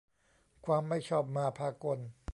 ความไม่ชอบมาพากล